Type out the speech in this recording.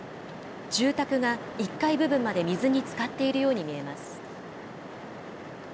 住宅が１階部分まで水につかっているように見えます。